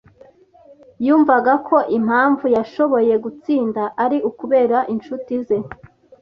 Yumvaga ko impamvu yashoboye gutsinda ari ukubera inshuti ze